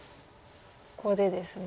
ここでですね。